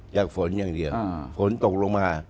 ฝนอย่างเดียวฝนตกลงมา